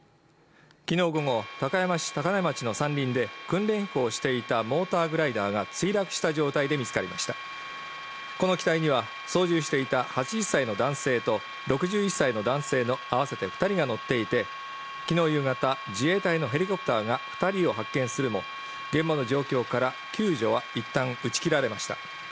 昨日午後高山市高根町の山林で訓練飛行をしていたモーターグライダーが墜落した状態で見つかりましたこの機体には操縦していた８０歳の男性と６１歳の男性の合わせて二人が乗っていて昨日夕方自衛隊のヘリコプターが二人を発見するも現場の状況から救助はいったん打ち切られました